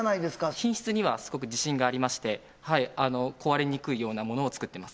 品質にはすごく自信がありまして壊れにくいようなものを作ってます